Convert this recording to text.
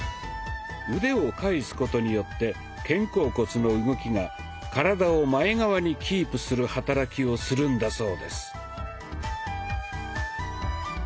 腕を返すことによって肩甲骨の動きが体を前側にキープする働きをするんだそうです。